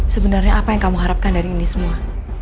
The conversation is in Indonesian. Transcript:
sebenarnya apa yang kamu harapkan dari ini semua